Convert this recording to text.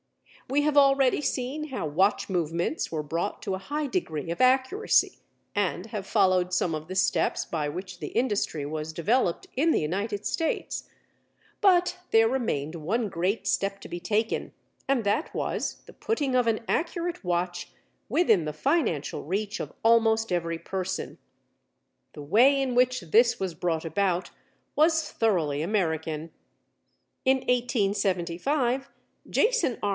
We have already seen how watch movements were brought to a high degree of accuracy, and have followed some of the steps by which the industry was developed in the United States, but there remained one great step to be taken, and that was the putting of an accurate watch within the financial reach of almost every person. The way in which this was brought about was thoroughly American. In 1875, Jason R.